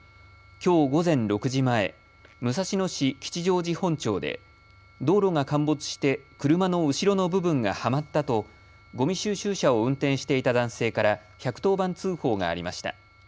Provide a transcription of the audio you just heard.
きょう午前６時前、武蔵野市吉祥寺本町で道路が陥没して車の後ろの部分がはまったとごみ収集車を運転していた男性から１１０番通報がありました。